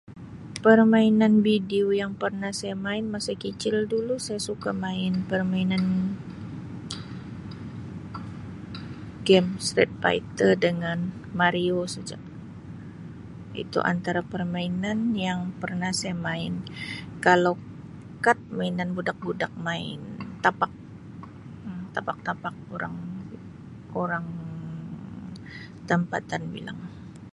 "Permainan video yang pernah saya main masa kicil dulu saya suka main permainan ""Game"" ""Street Fighter"" dengan Mario saja itu antara permainan yang pernah saya main kalau kad mainan budak-budak main tapak Um tapak-tapak orang orang tempatan bilang."